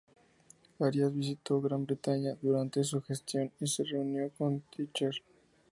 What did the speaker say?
Arias visitó Gran Bretaña durante su gestión y se reunió con Thatcher.